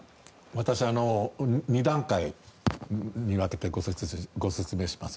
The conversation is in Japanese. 私、２段階に分けてご説明します。